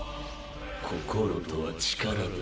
心とは力だ。